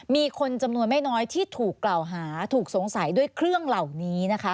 มีคนจำนวนไม่น้อยที่ถูกกล่าวหาถูกสงสัยด้วยเครื่องเหล่านี้นะคะ